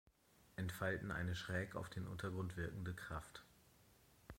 Entfalten eine schräg auf den Untergrund wirkende Kraft.